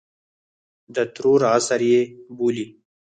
د ترور عصر یې بولي.